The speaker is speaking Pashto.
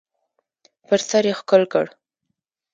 پر سر یې ښکل کړ .